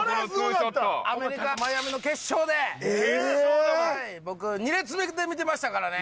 アメリカマイアミの決勝で僕２列目で見てましたからね。